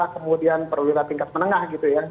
kemudian perwira tingkat menengah gitu ya